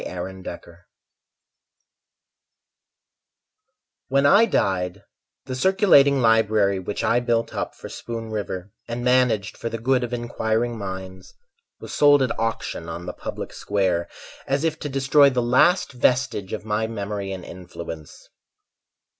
Seth Compton When I died, the circulating library Which I built up for Spoon River, And managed for the good of inquiring minds, Was sold at auction on the public square, As if to destroy the last vestige Of my memory and influence.